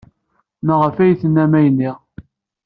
Maɣef ay d-tennam ayenni?